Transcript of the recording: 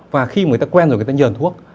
và khi người ta quen rồi người ta nhờ thuốc